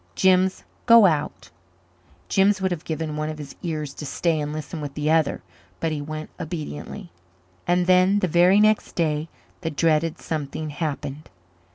"Jims, go out." Jims would have given one of his ears to stay and listen with the other. But he went obediently. And then, the very next day, the dreaded something happened.